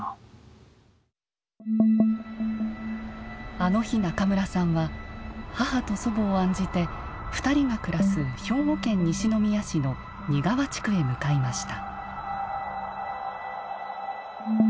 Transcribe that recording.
あの日中村さんは母と祖母を案じて２人が暮らす兵庫県西宮市の仁川地区へ向かいました。